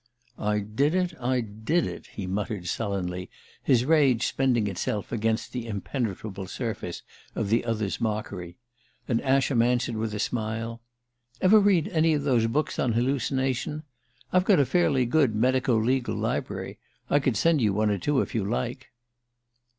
"I did it, I did it," he muttered sullenly, his rage spending itself against the impenetrable surface of the other's mockery; and Ascham answered with a smile: "Ever read any of those books on hallucination? I've got a fairly good medico legal library. I could send you one or two if you like..."